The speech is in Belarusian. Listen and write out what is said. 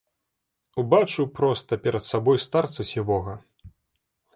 Убачыў проста перад сабой старца сівога.